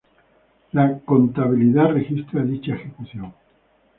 La contabilidad registra dicha ejecución.